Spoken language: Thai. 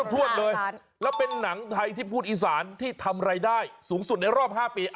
ทวดเลยแล้วเป็นหนังไทยที่พูดอีสานที่ทำรายได้สูงสุดในรอบ๕ปี